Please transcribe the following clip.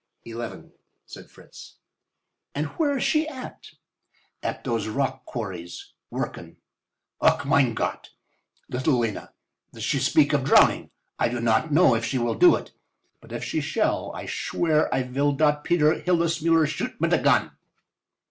"Eleven," said Fritz. "And where is she at?" "At dose rock quarries—working. Ach, mein Gott—little Lena, she speak of drowning. I do not know if she vill do it, but if she shall I schwear I vill dot Peter Hildesmuller shoot mit a gun."